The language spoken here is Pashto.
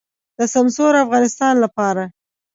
د سمسور افغانستان لپاره.